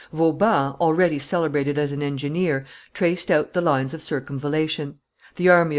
Vauban, already celebrated as an engineer, traced out the lines of circumvallation; the army of M.